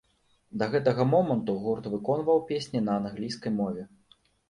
Да гэтага моманту гурт выконваў песні на англійскай мове.